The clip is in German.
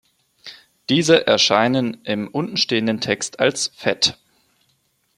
Diese erscheinen im untenstehenden Text als fett.